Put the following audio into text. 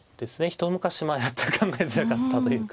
一昔前だったら考えづらかったというか。